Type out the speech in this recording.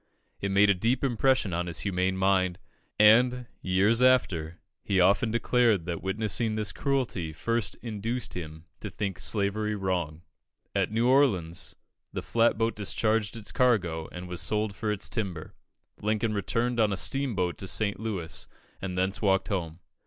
It made a deep impression on his humane mind, and, years after, he often declared that witnessing this cruelty first induced him to think slavery wrong. At New Orleans the flat boat discharged its cargo, and was sold for its timber. Lincoln returned on a steamboat to St. Louis, and thence walked home.